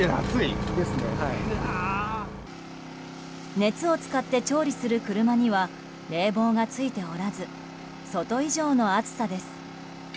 熱を使って調理する車には冷房がついておらず外以上の暑さです。